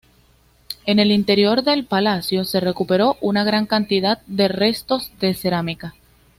En el interior del palacio se recuperó una gran cantidad de restos de cerámica.